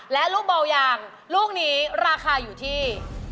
และลูกเบายางลูกนี้ราคาอยู่ที่